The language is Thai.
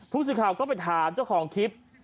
ภูมิสิทธิ์ข่าวก็ไปถามเจ้าของคลิป